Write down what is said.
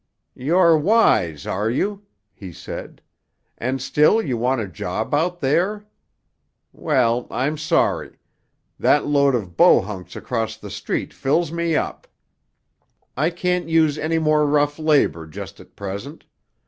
"You're wise, are you?" he said. "And still you want a job out there? Well, I'm sorry. That load of Bohunks across the street fills me up. I can't use any more rough labour just at present.